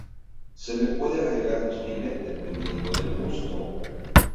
Se le puede agregar chile, dependiendo del gusto.